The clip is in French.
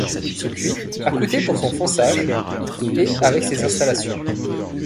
Ce puits a coûté pour son fonçage, et avec ses installations.